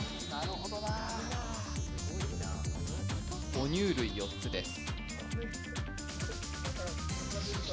哺乳類４つです。